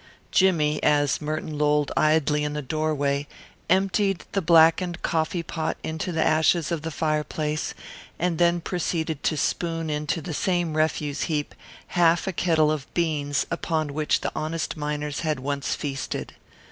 Jimmy, as Merton lolled idly in the doorway, emptied the blackened coffee pot into the ashes of the fireplace and then proceeded to spoon into the same refuse heap half a kettle of beans upon which the honest miners had once feasted.